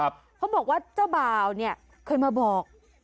เขาบอกว่าเจ้าบ่าวเนี่ยเคยมาบอก